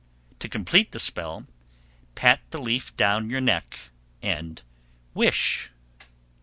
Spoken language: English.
To complete the spell, pat the leaf down your neck and wish.